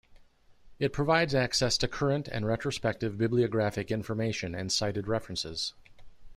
It provides access to current and retrospective bibliographic information and cited references.